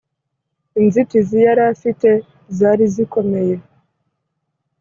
Inzitizi yari afite zari zikomeye